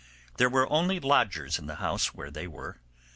They were only lodgers in the house where they were.